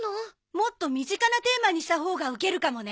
もっと身近なテーマにしたほうがウケるかもね。